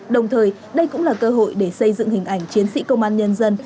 đồng thời đây cũng là cơ hội để xây dựng hình ảnh chiến sĩ công an nhân dân